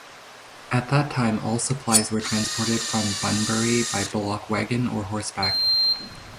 At that time all supplies were transported from Bunbury by bullock wagon, or horseback.